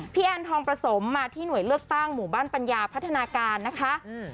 แอนทองประสมมาที่หน่วยเลือกตั้งหมู่บ้านปัญญาพัฒนาการนะคะอืม